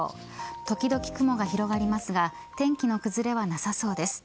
時々、雲が広がりますが天気の崩れはなさそうです。